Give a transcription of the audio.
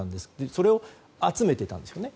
それを集めていたんですよね。